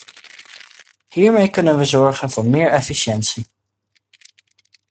Hiermee kunnen we zorgen voor meer efficiëntie.